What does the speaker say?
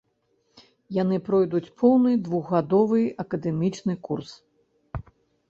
Яны пройдуць поўны двухгадовы акадэмічны курс.